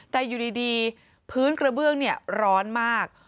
แต่อยู่ดีพื้นกระเบื้องร้อนมาก